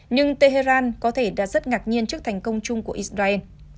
nhưng tehran có thể đã rất ngạc nhiên trước thành công chung của israel